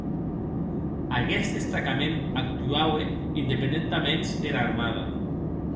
Aguest destacament actuaue independentaments dera armada.